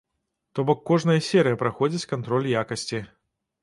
То бок кожная серыя праходзіць кантроль якасці.